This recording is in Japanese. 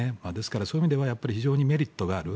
そういう意味では非常にメリットがある。